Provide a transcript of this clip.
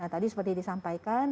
tadi seperti disampaikan